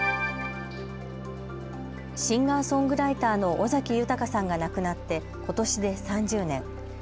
シンガーソングライターの尾崎豊さんが亡くなってことしで３０年。